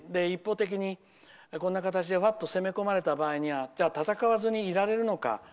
一方的に、こんな形で攻め込まれた場合にはじゃあ、戦わずにいられるのか。